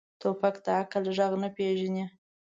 توپک د عقل غږ نه پېژني.